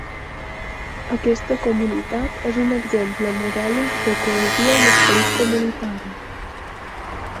Aquesta comunitat és un exemple modèlic de cohesió i esperit comunitari.